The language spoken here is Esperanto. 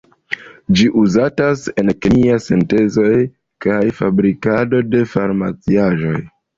Ĝi uzatas en kemiaj sintezoj kaj fabrikado de farmaciaĵoj.